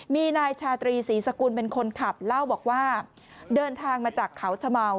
มีนายชาตรีศรีสกุลเป็นคนขับเล่าบอกว่าเดินทางมาจากเขาชะเมา